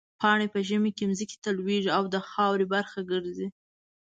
پاڼې په ژمي کې ځمکې ته لوېږي او د خاورې برخه ګرځي.